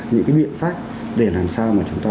những cái biện pháp để làm sao mà chúng ta